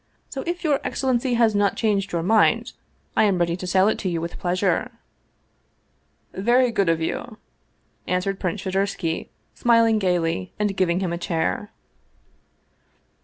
So, if your excellency has not changed your mind, I am ready to sell it to you with pleasure." " Very good of you," answered Prince Shadursky, smil ing gayly, and giving him a chair.